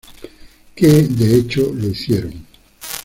Que, de hecho, lo hicieron.